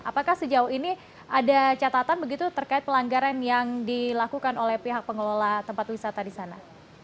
apakah sejauh ini ada catatan begitu terkait pelanggaran yang dilakukan oleh pihak pengelola tempat wisata di sana